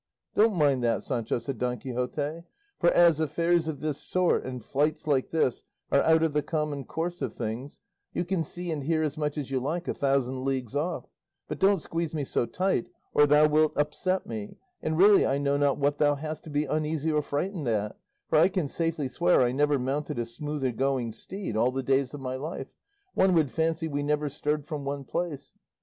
"Don't mind that, Sancho," said Don Quixote; "for as affairs of this sort, and flights like this are out of the common course of things, you can see and hear as much as you like a thousand leagues off; but don't squeeze me so tight or thou wilt upset me; and really I know not what thou hast to be uneasy or frightened at, for I can safely swear I never mounted a smoother going steed all the days of my life; one would fancy we never stirred from one place.